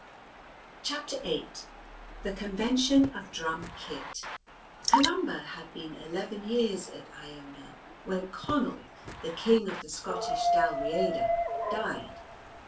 CHAPTER VIII THE CONVENTION OF DRUM CEATT COLUMBA had been eleven years at Iona when Conal, the King of the Scottish Dalriada, died.